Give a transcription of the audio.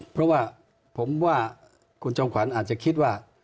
เพราะว่าผมว่าคุณจอมขวัญอาจจะคิดว่า